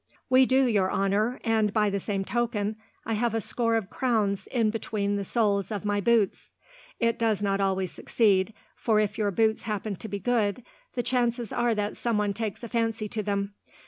"We do, your honour; and, by the same token, I have a score of crowns in between the soles of my boots. It does not always succeed, for if your boots happen to be good, the chances are that someone takes a fancy to them.